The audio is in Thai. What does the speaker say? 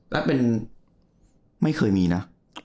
และเป็นไม่เคยมีนะ